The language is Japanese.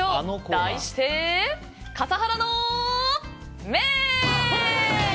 題して、笠原の眼！